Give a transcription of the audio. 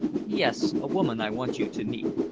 "Yes, a woman I want you to meet.